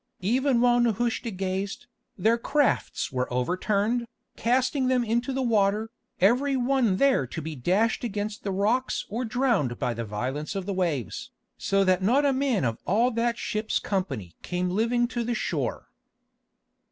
Even while Nehushta gazed, their crafts were overturned, casting them into the water, every one there to be dashed against the rocks or drowned by the violence of the waves, so that not a man of all that ship's company came living to the shore.